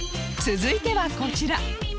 続いてはこちら